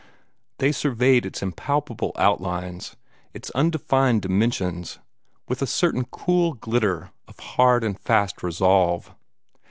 They surveyed its impalpable outlines, its undefined dimensions, with a certain cool glitter of hard and fast resolve.